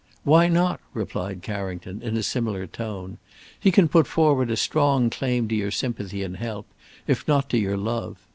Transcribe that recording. "Why not?" replied Carrington, in a similar tone. "He can put forward a strong claim to your sympathy and help, if not to your love.